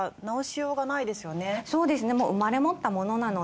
そうですね。